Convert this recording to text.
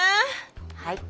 はい。